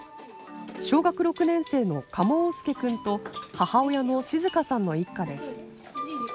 小学６年生の加茂桜介くんと母親のしづかさんの一家です。